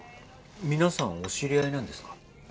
皆さんお知り合いなんですか？